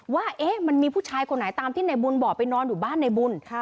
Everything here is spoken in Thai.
ว่ามันมีผู้ชายคนไหนตามที่ในบุญบอกไปนอนอยู่บ้านในบุญ